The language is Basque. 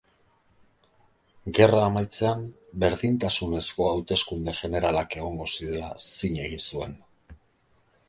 Gerra amaitzean berdintasunezko hauteskunde jeneralak egongo zirela zin egin zuen.